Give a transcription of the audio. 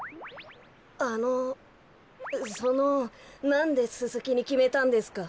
あのそのなんでススキにきめたんですか？